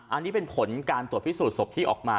อันนี้เป็นผลการตรวจพิสูจนศพที่ออกมา